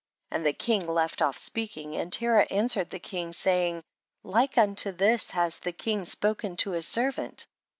And the king left off speak ing, and Terah answered the king, saying, like unto this has the king spoken to his servant ; 26.